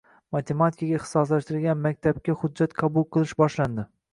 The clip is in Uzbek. Matematikaga ixtisoslashtirilgan maktabga hujjat qabul qilish boshlandi